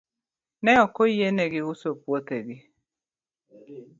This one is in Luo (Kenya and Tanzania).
Ne ok oyienegi uso puothgi.